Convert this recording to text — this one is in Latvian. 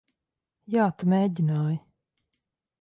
Jā, tu mēģināji.